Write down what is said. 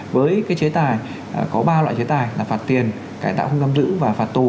với cái chế tài có ba loại chế tài là phạt tiền cải tạo không giam giữ và phạt tù